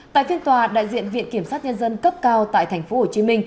tại phiên tòa đại diện viện kiểm sát nhân dân cấp cao tại tp hcm